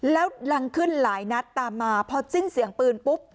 แล้วรังขึ้นหลายนัดตามมาพอสิ้นเสียงปืนปุ๊บ